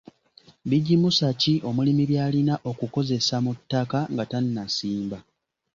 Bigimusa ki omulimi by'alina okukozesa mu ttaka nga tannasimba?